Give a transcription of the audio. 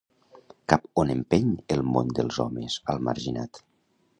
Cap on empeny el món dels homes al marginat?